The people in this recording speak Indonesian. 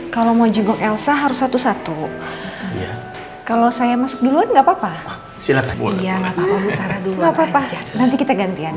kalau mau jembol elsa harus satu satu kalau saya masuk duluan gpp mengerjakan nanti kita gantian ya